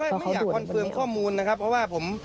ไม่อยากคอนเฟิร์มข้อมูลนะครับเพราะว่าผม